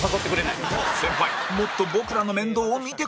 先輩もっと僕らの面倒を見てください！